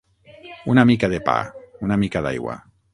Una mica de pa, una mica d'aigua.